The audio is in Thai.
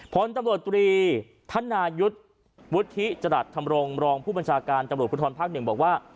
ผลตำรวจตรีท่านนายุทธิจดัดทำรงรองผู้บัญชาการตำรวจพุทธรภาคหนึ่งบอกว่า